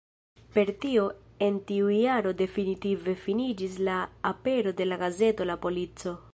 Per tio en tiu jaro definitive finiĝis la apero de la gazeto "La Polico".